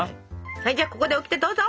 はいじゃあここでオキテどうぞ！